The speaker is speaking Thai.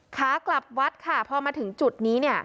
ขากลับวัดเพราะมาถึงจุดนี้